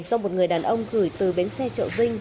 do một người đàn ông gửi từ bến xe trợ vinh